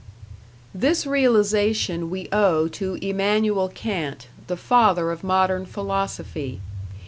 This realization we owe to Immanuel Kant, the father of modern philosophy.